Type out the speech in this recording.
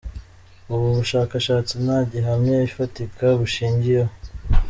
Ubu bushakashatsi nta gihamya ifatika bushingiyeho.